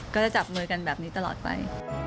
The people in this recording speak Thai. ก็จะจับมือกันแบบนี้ตลอดไป